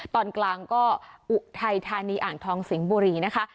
ตอนกลางก็อุทัยธานีอ่างทองสิงห์บุรีนะคะ